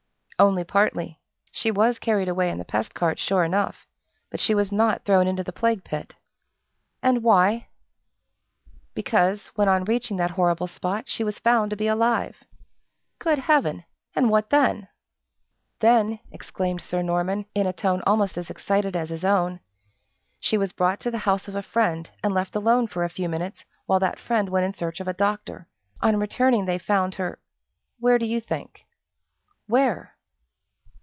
"Only partly. She was carried away in the pest cart sure enough, but she was not thrown into the plague pit!" "And why?" "Because, when on reaching that horrible spot, she was found to be alive!" "Good Heaven! And what then?" "Then," exclaimed Sir Norman, in a tone almost as excited as his own, "she was brought to the house of a friend, and left alone for a few minutes, while that friend went in search of a doctor. On returning they found her where do you think?" "Where?"